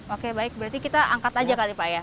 oke baik berarti kita angkat aja kali pak ya